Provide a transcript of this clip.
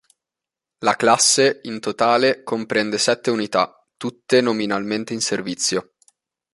La classe, in totale, comprende sette unità, tutte nominalmente in servizio.